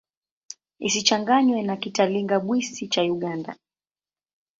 Isichanganywe na Kitalinga-Bwisi cha Uganda.